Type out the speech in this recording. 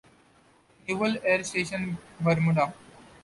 Naval Air Station Bermuda.